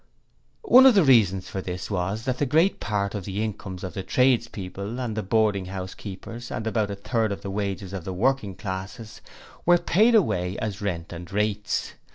One of the reasons for this was that a great part of the incomes of the tradespeople and boarding house keepers and about a third of the wages of the working classes were paid away as rent and rates.